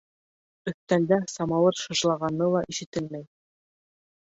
Өҫтәлдә самауыр шыжлағаны ла ишетелмәй.